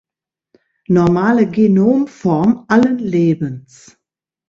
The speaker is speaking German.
Normale Genom-Form allen Lebens.